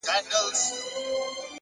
مثبت فکر د ناامیدۍ ځای تنګوي,